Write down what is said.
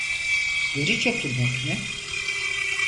Geri çekilmek mi?